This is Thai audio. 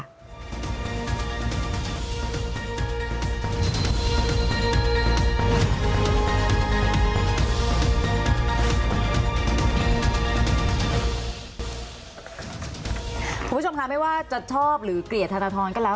คุณผู้ชมค่ะไม่ว่าจะชอบหรือเกลียดธนทรก็แล้ว